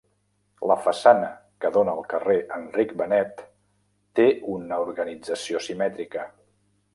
La façana que dóna al carrer Enric Benet té una organització simètrica.